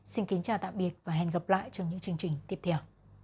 xin kính chào tạm biệt và hẹn gặp lại trong những chương trình tiếp theo